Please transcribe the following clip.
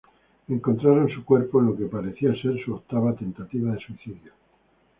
Encontraron su cuerpo en lo que pareció ser su octava tentativa de suicidio.